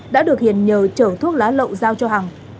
đã được hiền nhờ chở thuốc lá lậu giao cho hằng